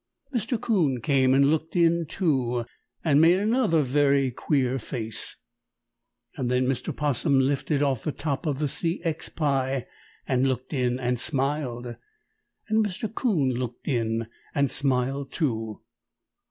Mr. 'Coon came and looked in, too, and made another very queer face. Then Mr. 'Possum lifted off the top of the C. X. pie and looked in and smiled, and Mr. 'Coon looked in and smiled, too.